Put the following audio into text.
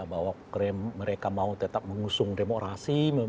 bahwa mereka mau tetap mengusung demokrasi